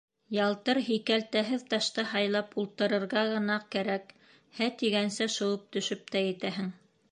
Ялтыр, һикәлтәһеҙ ташты һайлап ултырырга ғына кәрәк, «һә» тигәнсе шыуып төшөп тә етәһен.